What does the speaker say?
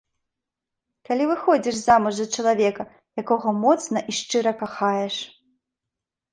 Калі выходзіш замуж за чалавека, якога моцна і шчыра кахаеш!